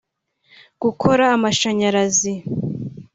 gukora amashanyarazi